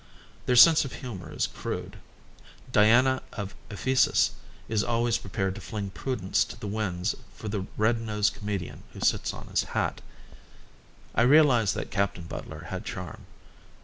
Their sense of humour is crude. Diana of Ephesus is always prepared to fling prudence to the winds for the red nosed comedian who sits on his hat. I realised that Captain Butler had charm.